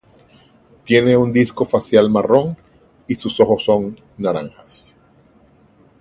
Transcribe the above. Tiene un disco facial marrón y sus ojos son naranjas.